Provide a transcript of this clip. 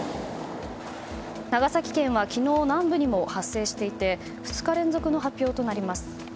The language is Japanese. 長崎県は昨日南部にも発生していて２日連続の発表となります。